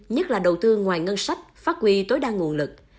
nhất là đầu tư ngoài ngân sách phát quy tối đa nguồn lực